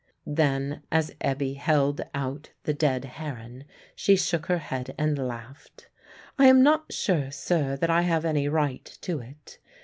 Then, as Ebbe held out the dead heron, she shook her head and laughed. "I am not sure, sir, that I have any right to it.